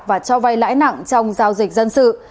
và cho vay lãi nặng trong giao dịch dân sự